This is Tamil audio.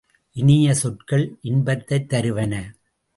இனிய சொற்கள் இன்பத்தைத் தருவன.